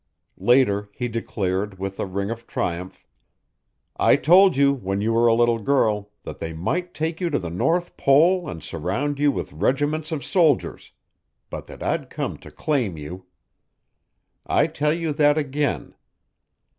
Later he declared, with a ring of triumph, "I told you when you were a little girl that they might take you to the North Pole and surround you with regiments of soldiers but that I'd come to claim you. I tell you that again.